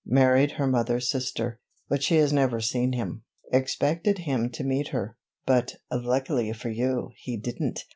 Married her mother's sister, but she has never seen him. Expected him to meet her, but, luckily for you, he didn't.